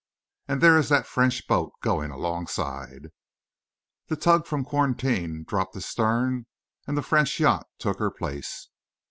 "And there is that French boat going alongside." The tug from quarantine dropped astern and the French yacht took her place.